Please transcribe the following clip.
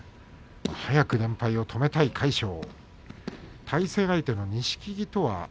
早く連敗を止めたい魁勝です。